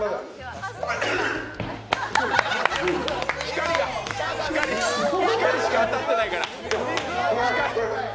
ゴホッ光しか当たってないから！